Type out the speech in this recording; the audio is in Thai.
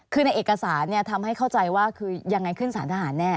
คือในเอกสารทำให้เข้าใจว่าคือยังไงขึ้นสารทหารแน่